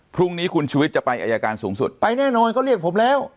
พรุ่งนี้คุณชุวิตจะไปอายการสูงสุดไปแน่นอนเขาเรียกผมแล้ว